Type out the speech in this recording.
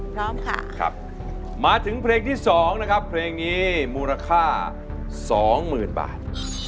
พร้อมค่ะครับมาถึงเพลงที่๒นะครับเพลงนี้มูลค่า๒๐๐๐บาท